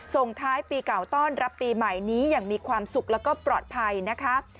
ส่งท้ายปีเก่าต้อนรับปีใหม่นี้อย่างมีความสุขแล้วก็ปลอดภัยนะคะ